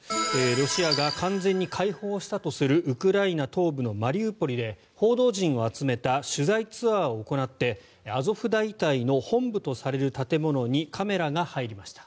ロシアが完全に解放したとするウクライナ東部のマリウポリで報道陣を集めた取材ツアーを行ってアゾフ大隊の本部とされる建物にカメラが入りました。